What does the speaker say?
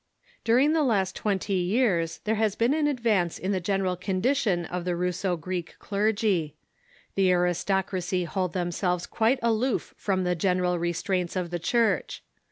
During the last twenty years there has been advance in the general condition of the Russo Greek clergy. The aristocracy Present State ^^^^^ themselves quite aloof from the general re of the Russian straints of the Church.